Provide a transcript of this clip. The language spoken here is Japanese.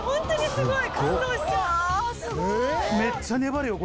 「すごい！」